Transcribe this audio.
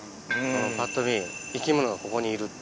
ぱっと見生き物がここにいるって。